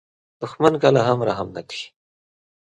دښمن کله هم رحم نه کوي